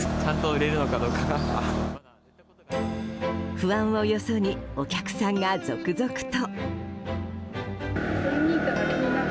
不安をよそにお客さんが続々と。